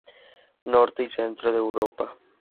Norte y centro de Europa.